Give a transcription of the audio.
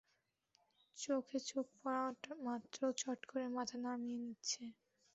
চোখে চোখ পড়ামাত্র চট করে মাথা নামিয়ে নিচ্ছে।